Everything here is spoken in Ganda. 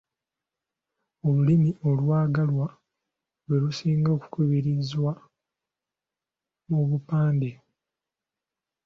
Olulimi olwagalwa lwe lusinga okukubirizibwa mu bupande.